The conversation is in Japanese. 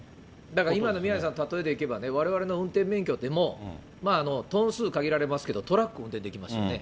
だから今の宮根さんの例えでいけば、われわれの運転免許ってもう、トン数限られますけれども、トラックってありますよね。